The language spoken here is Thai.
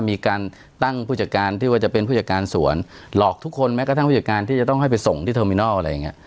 มีการตั้งผู้จัดการที่ว่าจะเป็นผู้จัดการสวนหลอกทุกคนแม้กระทั่งผู้จัดการที่จะต้องให้ไปส่งที่เทอร์มินอลอะไรอย่างเงี้